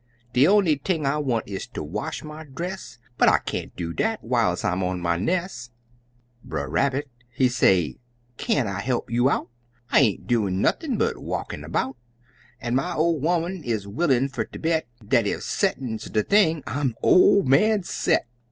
De only thing I want is ter wash my dress, But I can't do dat whiles I'm on my nes'." Brer Rabbit, he say, "Can't I he'p you out? I ain't doin' nothin' but walkin' about, An' my ol' 'oman is willin' fer ter bet Dat ef settin 's de thing, I'm ol' man Set!"